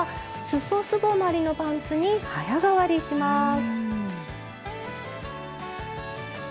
すぼまりのパンツに早変わりします！